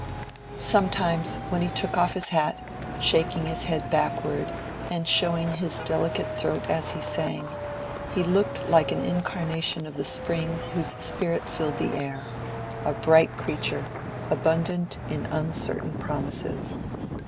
Sometimes, when he took off his hat, shaking his head backward, and showing his delicate throat as he sang, he looked like an incarnation of the spring whose spirit filled the air—a bright creature, abundant in uncertain promises.